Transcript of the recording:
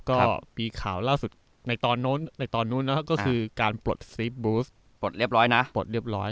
ก็ปีขาวล่าสุดในตอนนู้นในตอนนู้นอ่ะก็คือกาหาการปลดปลดเรียบร้อยน่ะปลดเรียบร้อย